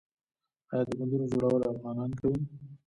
آیا د بندونو جوړول افغانان کوي؟